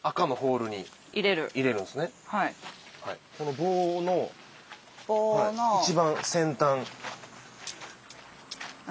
この棒の一番先端。